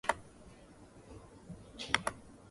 Vizzy brought Learie Constantine to India a few years later.